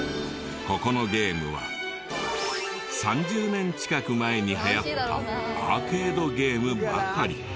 ここのゲームは３０年近く前に流行ったアーケードゲームばかり。